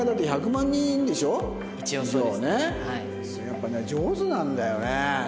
やっぱね上手なんだよね。